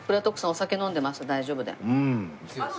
お酒飲んでますが大丈夫だよ。